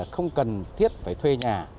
không cần thiết phải thuê nhà